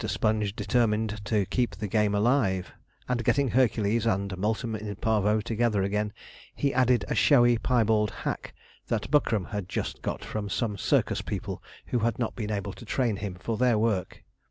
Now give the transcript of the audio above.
Sponge determined to keep the game alive, and getting Hercules and Multum in Parvo together again, he added a showy piebald hack, that Buckram had just got from some circus people who had not been able to train him to their work.